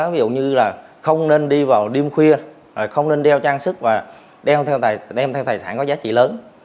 ví dụ như là không nên đi vào đêm khuya không nên đeo trang sức và đeo theo tài sản có giá trị lớn